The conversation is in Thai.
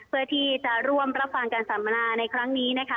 เพื่อที่จะร่วมรับฟังการสัมมนาในครั้งนี้นะคะ